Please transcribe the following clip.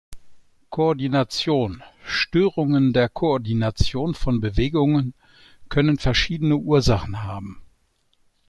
Koordination: Störungen der Koordination von Bewegungen können verschiedene Ursachen haben.